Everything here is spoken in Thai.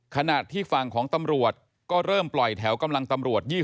ขณะที่ฝั่งของตำรวจก็เริ่มปล่อยแถวกำลังตำรวจ